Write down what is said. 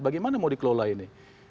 bagaimana mau dikelola ini